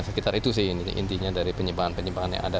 sekitar itu sih intinya dari penyimpangan penyimpangan yang ada